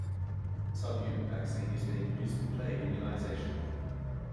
Subunit vaccine is being used for plague immunization.